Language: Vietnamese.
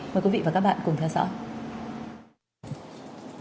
mời quý vị và các bạn cùng theo dõi